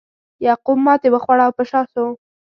یعقوب ماتې وخوړه او په شا شو.